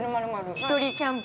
◆１人キャンプ。